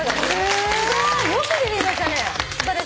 すごいね。